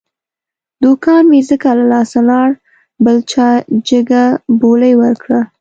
دوکان مې ځکه له لاسه لاړ، بل چا جگه بولۍ ور کړه.